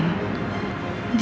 dia kan cinta banget sama tanti